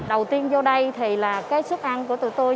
đầu tiên vô đây thì là cái suất ăn của tụi tôi